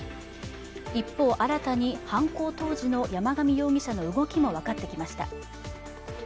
一方、新たに犯行当時の山上容疑者の動きも分かってきました。